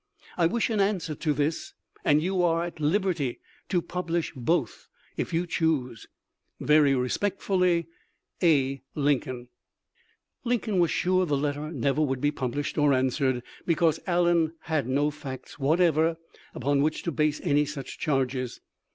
" I wish an answer to this,.and you are at liberty to publish both if you choose. "" Very respectfully, " A. Lincoln." Col. Robert Allen. Lincoln was sure the letter never would be published or answered, because Allen had no facts whatever upon which to base any such charges.